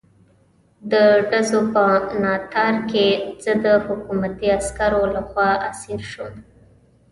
د ډزو په ناتار کې زه د حکومتي عسکرو لخوا اسیر شوم.